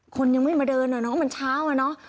คนยังไม่มาเดินเหรอเนอะมันเช้าเหรอเนอะ